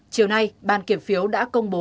chiều nay ban kiểm phiếu đã công bố